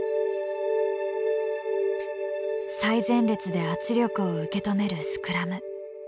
最前列で圧力を受け止めるスクラム。